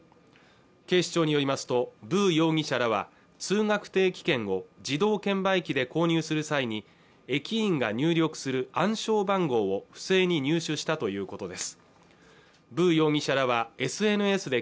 警視庁によりますとヴー容疑者らは通学定期券を自動券売機で購入する際に駅員が入力する暗証番号を不正に入手したということです